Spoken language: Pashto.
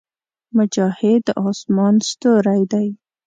مجاهد د اسمان ستوری دی.